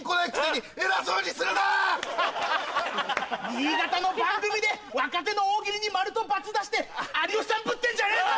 新潟の番組で若手の大喜利に「○」と「×」出して有吉さんぶってんじゃねえぞ！